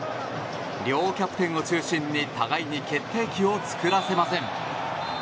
両キャプテンを中心に互いに決定機を作らせません。